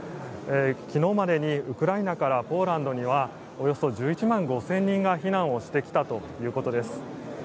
昨日までにウクライナからポーランドにはおよそ１１万５０００人が避難をしてきたということです。